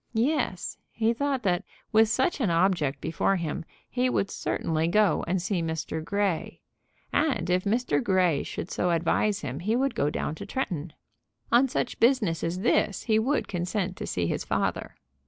Yes; he thought that, with such an object before him, he would certainly go and see Mr. Grey. And if Mr. Grey should so advise him he would go down to Tretton. On such business as this he would consent to see his father.